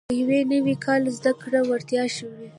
په یو نوي کال کې زده کړې وړیا شوې.